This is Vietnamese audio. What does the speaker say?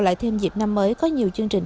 lại thêm dịp năm mới có nhiều chương trình